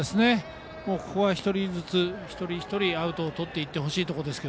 ここは一人一人、アウトをとっていってほしいところですが